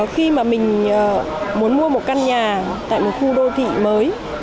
khi mà mình muốn mua một căn nhà tại một khu đô thị mới